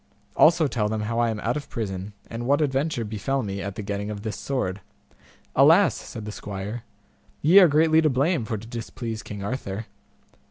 Also tell them how I am out of prison, and what adventure befell me at the getting of this sword. Alas! said the squire, ye are greatly to blame for to displease King Arthur.